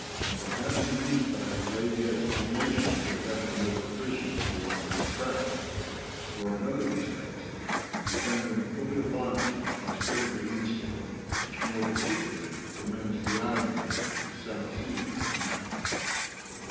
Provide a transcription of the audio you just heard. "Perhaps in this fact lay the explanation of their having no provisions to offer in traffic, for in other respects we found them fully alive to the hospitable instinct which more particularly commends the islanders of the southern seas to navigators."